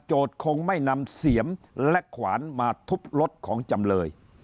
คงไม่นำเสียมและขวานมาทุบรถของจำเลย